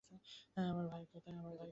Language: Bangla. আমার ভাই কোথায়?